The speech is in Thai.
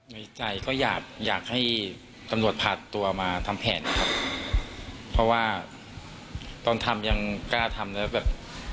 ในใจก็อยากอยากให้ตำรวจพาตัวมาทำแผนนะครับเพราะว่าตอนทำยังกล้าทำแล้วแบบ